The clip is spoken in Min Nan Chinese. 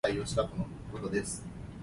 喙